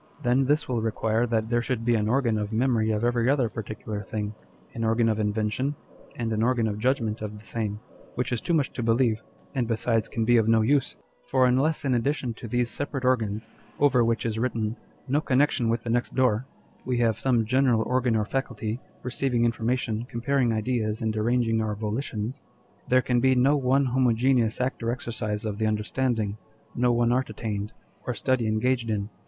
Then this will require that there should be an organ of memory of every other particular thing ; an organ of invention, and an organ of judgment of the same; which is too much to believe, and besides can be of no use : for unless in addition to these separate organs, over which is written â€" " No connection with the next door" â€" we have some general organ or faculty, receiving information, comparing ideas, and arranging our volitions, there can be no one homogeneous act or exercise of the under standing, no one art attained, or study engaged in.